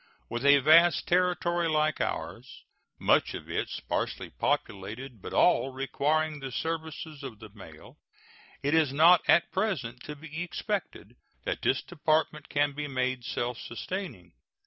With a vast territory like ours, much of it sparsely populated, but all requiring the services of the mail, it is not at present to be expected that this Department can be made self sustaining.